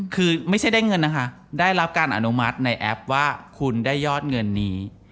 คือไม่ใช่ได้เงินนะคะได้รับการอนุมัติในแอปว่าคุณได้ยอดเงินนี้